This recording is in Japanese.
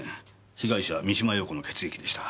被害者三島陽子の血液でした。